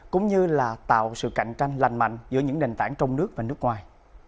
cũng như là tạo sự cạnh tranh lành mạnh giữa những nền tảng trong nước và nước ngoài